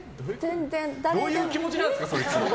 どういう気持ちなんですか？